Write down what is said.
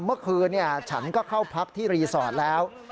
เมื่อคืนฉันก็เข้าพักที่รีสอร์ทแล้ว